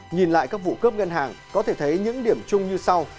nhìn lại các vụ cướp ngân hàng có thể thấy những điểm chung như sau